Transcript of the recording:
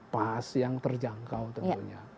pas yang terjangkau tentunya